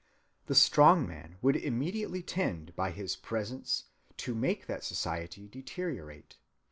The strong man would immediately tend by his presence to make that society deteriorate.